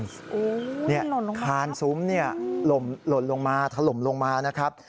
โอ้โฮนี่หล่นลงมาครับคานซุ้มนี่หล่นลงมาถล่มลงมานะครับ